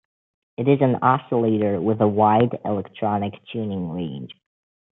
It is an oscillator with a wide electronic tuning range.